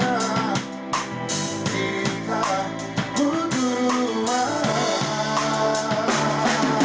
biar kita lupa selamatlah kita berdua